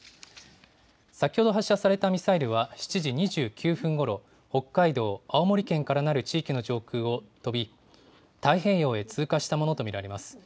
先ほど発射されたミサイルは、７時２９分ごろ、北海道、青森県からなる地域の上空を飛び、太平洋へ通過したものと見られます。